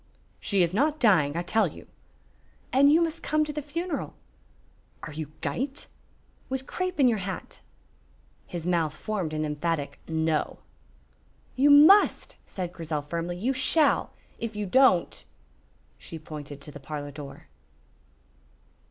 "She is not dying, I tell you." "And you must come to the funeral." "Are you gyte?" "With crape on your hat." His mouth formed an emphatic "No." "You must," said Grizel, firmly, "you shall! If you don't " She pointed to the parlor door.